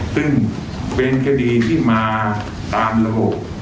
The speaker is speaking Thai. ซึ่งเวลาสงสัยที่มาตามระบบ